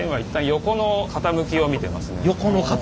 横の傾き。